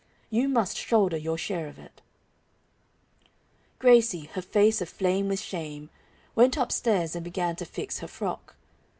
You must shoulder your share of it." Gracie, her face aflame with shame, went upstairs and began to fix her frock.